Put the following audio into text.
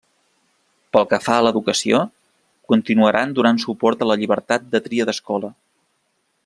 Pel que fa a l'educació, continuaran donant suport a la llibertat de tria d'escola.